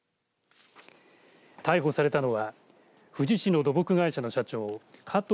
逮捕されたのは富士市の土木会社の社長加藤肇